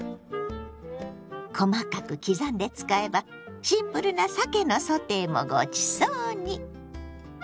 細かく刻んで使えばシンプルなさけのソテーもごちそうに！